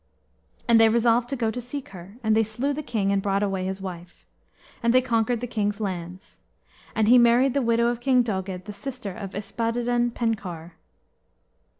And they resolved to go to seek her; and they slew the king, and brought away his wife. And they conquered the kings' lands. And he married the widow of King Doged, the sister of Yspadaden Penkawr.